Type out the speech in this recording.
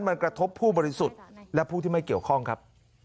มันกระทบผู้บริสุทธิ์และผู้ที่ไม่เกี่ยวข้องครับ